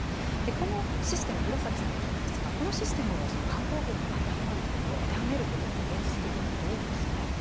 このシステム岩崎さんに聞きますがこのシステムを観光業に当てはめることって現実的にどうですか。